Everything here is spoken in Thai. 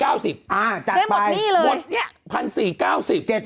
อ่าจัดไปหมดเนี่ย๑๔๙๐บาท